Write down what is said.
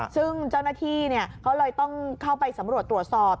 ซึ่งเจ้าหน้าที่เขาเลยต้องเข้าไปสำรวจตรวจสอบ